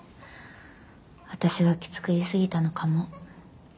私がきつく言いすぎたのかも。